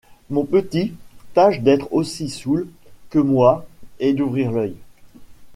Mon petit, tâche d’être aussi soûl que moi et d’ouvrir l’œil...